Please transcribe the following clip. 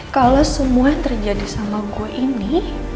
kalau semua yang terjadi sama gue ini